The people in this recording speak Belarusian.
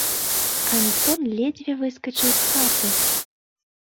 Антон ледзьве выскачыў з хаты.